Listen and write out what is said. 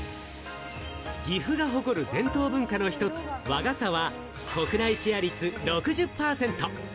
岐阜が誇る伝統文化の一つ和傘は、国内シェア率６０％。